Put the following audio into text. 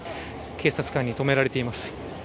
警察官に止められています。